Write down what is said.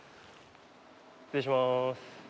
失礼します。